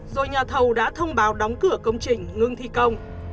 rồi nhà thầu đã thông báo đóng cửa công trình ngưng thi công